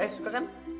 eh suka kan